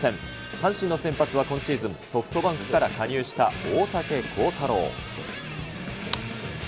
阪神の先発は今シーズン、ソフトバンクから加入した大竹耕太郎。